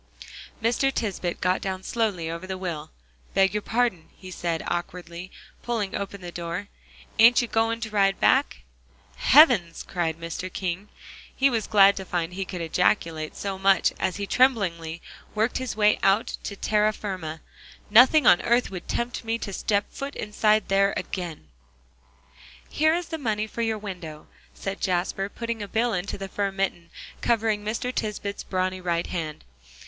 Mr. Tisbett got down slowly over the wheel. "Beg your pardon," he said awkwardly, pulling open the door, "ain't you goin' to ride back?" "Heavens!" cried Mr. King. He was glad to find he could ejaculate so much as he tremblingly worked his way out to terra firma. "Nothing on earth would tempt me to step foot inside there again." "Here is the money for your window," said Jasper, putting a bill into the fur mitten, covering Mr. Tisbett's brawny right hand.